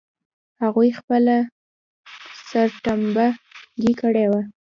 هغوی خپله سرټمبه ګي کړې وه.